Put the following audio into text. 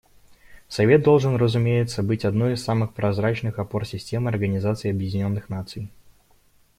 Совет должен, разумеется, быть одной из самых прозрачных опор системы Организации Объединенных Наций.